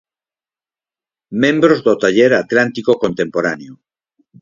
Membros do Taller Atlántico Contemporáneo.